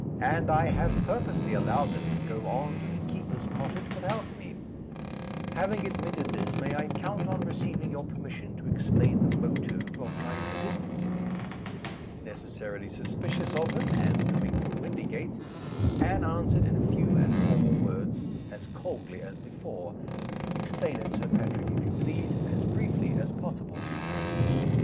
And I have purposely allowed them to go on to the keeper's cottage without me. Having admitted this, may I count on receiving your permission to explain the motive of my visit?" Necessarily suspicious of him, as coming from Windygates, Anne answered in few and formal words, as coldly as before. "Explain it, Sir Patrick, if you please, as briefly as possible."